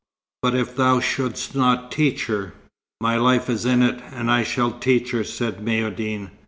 "But if thou shouldst not teach her?" "My life is in it, and I shall teach her," said Maïeddine.